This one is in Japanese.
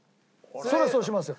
それはそうしますよ。